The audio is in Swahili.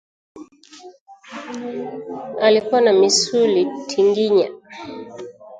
Alikuwa na misuli tinginya